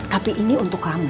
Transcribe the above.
tapi ini untuk kamu